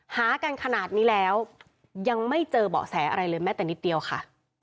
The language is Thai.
หากันขนาดนี้แล้วยังไม่เจอเบาะแสอะไรเลยแม้แต่นิดเดียวค่ะ